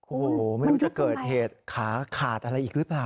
โอ้โหไม่รู้จะเกิดเหตุขาขาดอะไรอีกหรือเปล่า